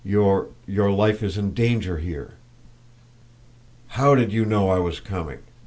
Your your life is in danger here." "How did you know I was coming?"